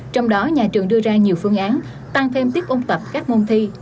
trong đó nhà trường đưa ra nhiều phương án tăng thêm tiết ôn tập các môn thi